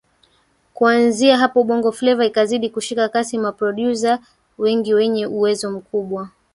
Kuanzia hapo Bongo Fleva ikazidi kushika kasi maprodyuza wengi wenye uwezo mkubwa